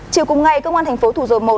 chiều cùng ngày cơ quan thành phố thủ rồi một